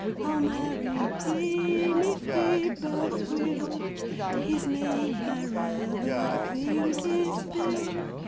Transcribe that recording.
I'll marry him, if he but will— His name, I rather think, is BILL.